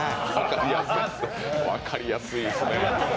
分かりやすいですね。